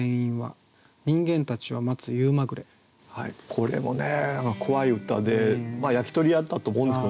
これもね怖い歌でまあ焼き鳥屋だと思うんですけどね